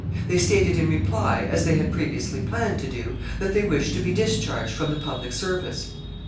They stated in reply, as they had previously planned to do, that they wished to be discharged from the public service.